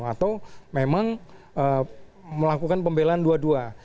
atau memang melakukan pembelaan dua dua